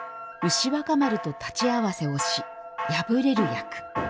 牛若丸と太刀合わせをし敗れる役。